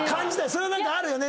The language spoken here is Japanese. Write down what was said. それはなんかあるよね